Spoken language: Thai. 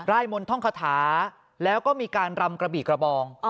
ยมนต์ท่องคาถาแล้วก็มีการรำกระบี่กระบอง